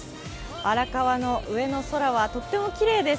荒川の上の空はとってもきれいです。